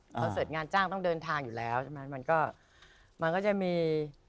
เขาเสิร์ตงานจ้างต้องเดินทางอยู่แล้วใช่ไหมมันก็มันก็จะมี